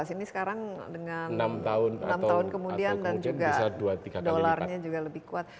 dua ribu dua belas ini sekarang dengan enam tahun kemudian dan juga dollarnya juga lebih kuat